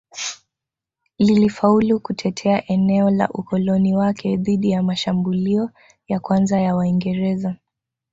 Lilifaulu kutetea eneo la ukoloni wake dhidi ya mashambulio ya kwanza ya Waingereza